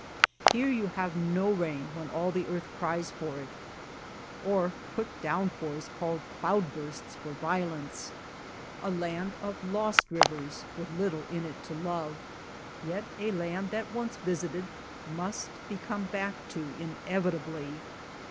Here you have no rain when all the earth cries for it, or quick 5 THE LAND OF LITTLE RAIN downpours called cloud bursts for violence. A land of lost rivers, with little in it to love ; yet a land that once visited must be come back to inevitably.